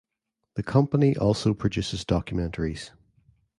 The company also produces documentaries.